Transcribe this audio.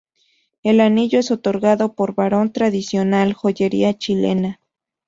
El anillo es otorgado por Barón, tradicional joyería chilena.